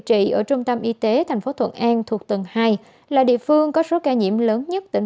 trị ở trung tâm y tế thành phố thuận an thuộc tầng hai là địa phương có số ca nhiễm lớn nhất tỉnh